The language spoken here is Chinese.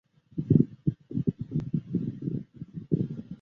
民主律师国际协会是法学家协会的一个国际组织。